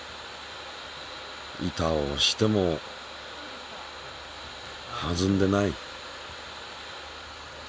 板をおしてもはずんでない。